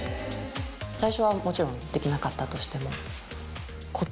最初はもちろんできなかったとしても。